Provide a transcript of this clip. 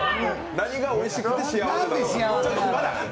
何がおいしくて幸せなのか。